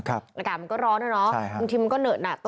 อากาศร้อนจริงมันก็เหนิดหนอะ